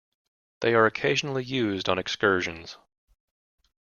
They are occasionally used on excursions.